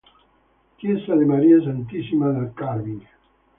Chiesa di Maria Santissima del Carmine